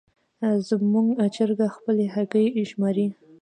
زموږ چرګه خپلې هګۍ شماري.